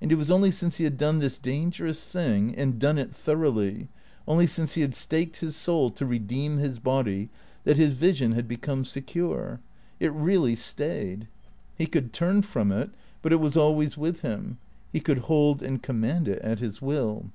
And it was only since he had done this dangerous thing and done it thoroughly, only since he had staked his soul to redeem his body, that his vision had become secure. It really stayed. He could turn from it, but it was always with him; he could hold and command it at his will.